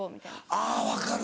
あぁ分かる。